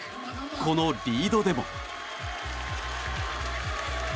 このリードでも。